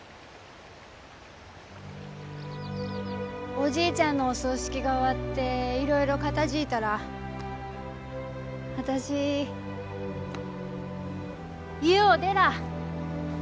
おじいちゃんのお葬式が終わっていろいろ片づぃたら私家を出らあ。